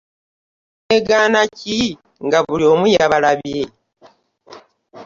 Mwegaana ki nga buli omu yabalabye?